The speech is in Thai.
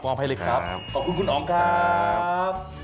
ให้เลยครับขอบคุณคุณอ๋องครับ